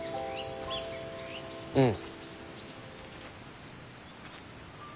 うん。